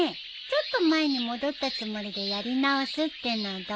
ちょっと前に戻ったつもりでやり直すってのはどう？